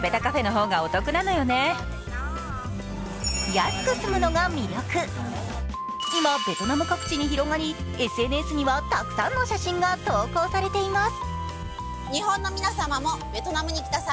安く済むのが魅力、今、ベトナム各地に広がり、ＳＮＳにはたくさんの写真が投稿されています。